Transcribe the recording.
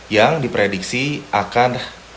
yang diprediksi akan